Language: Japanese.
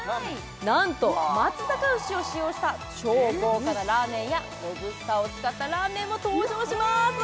なんと松阪牛を使用した超豪華なラーメンやロブスターを使ったラーメンも登場します